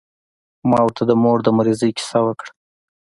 ما ورته د مور د مريضۍ کيسه وکړه.